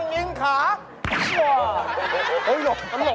คนที่อยากดื่มขากลุ่ม